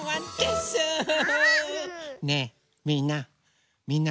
ねえみんな。